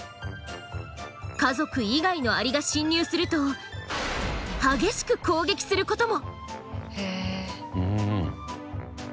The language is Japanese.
家族以外のアリが侵入すると激しく攻撃することも。